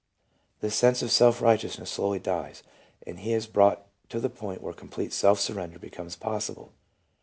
The sense of self righteousness slowly dies, and he is brought to the point where complete self surrender becomes possible.